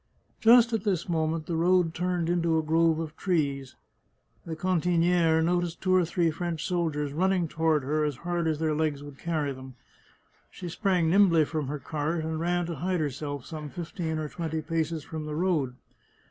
Just at this moment the road turned into a grove of trees. The cantiniere noticed two or three French soldiers running toward her as hard as their legs would carry them. She sprang nimbly from her cart, and ran to hide herself some fifteen or twenty paces from the road.